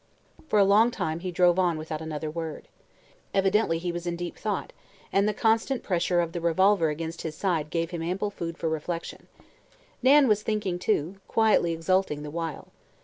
For a long time he drove on without another word. Evidently he was in deep thought and the constant pressure of the revolver against his side gave him ample food for reflection. Nan was thinking, too, quietly exulting, the while.